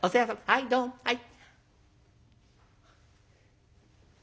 はいどうもはい」。